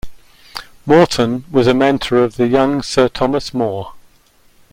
Morton was a mentor of the young Sir Thomas More.